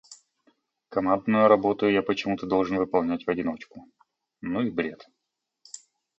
Командную работу я почему-то должен выполнять в одиночку. Ну и бред...